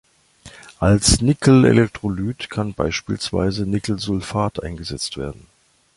Als Nickel-Elektrolyt kann beispielsweise Nickel-Sulfat eingesetzt werden.